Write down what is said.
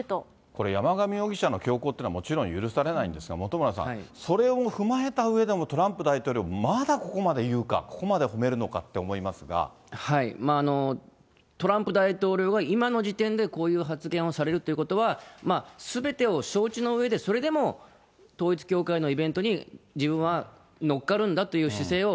これ、山上容疑者の凶行というのはもちろん許されないんですが、本村さん、それを踏まえたうえでも、トランプ大統領、まだここまで言うか、ここまで褒めるのかって思トランプ大統領が今の時点でこういう発言をされるということは、すべての承知のうえで、それでも統一教会のイベントに自分は乗っかるんだという姿勢を、